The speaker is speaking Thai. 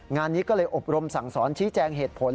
งานนี้ก็เลยอบรมสั่งสอนชี้แจงเหตุผล